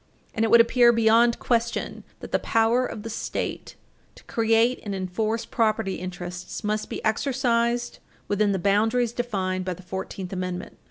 And it would appear beyond question that the power of the State to create and enforce property interests must be exercised within the boundaries defined by the Fourteenth Amendment.